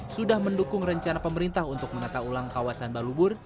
sudah mendukung rencana pemerintah untuk menata ulang kawasan balubur